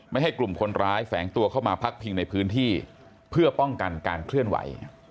ให้กลุ่มคนร้ายแฝงตัวเข้ามาพักพิงในพื้นที่เพื่อป้องกันการเคลื่อนไหว